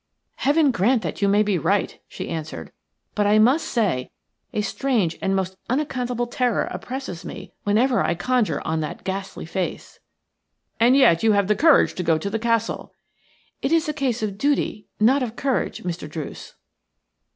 "Heaven grant that you may be right," she answered; "but I must say a strange and most unaccountable terror oppresses me whenever I conjure up that ghastly face." "And yet you have the courage to go to the castle!" "It is a case of duty, not of courage, Mr. Druce."